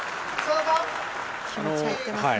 気持ちが入っていますね